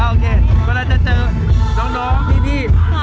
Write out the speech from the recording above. เวลาจะเจอน้องพี่